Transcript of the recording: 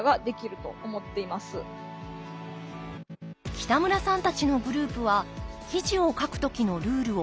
北村さんたちのグループは記事を書く時のルールを設けています。